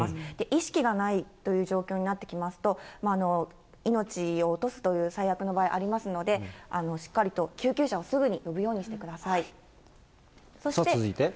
意識がないという状況になってきますと、命を落とすという最悪の場合、ありますので、しっかりと救急車をすぐに呼ぶようにしてください。